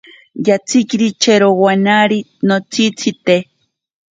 Yatsikiri chewonari notsitzite.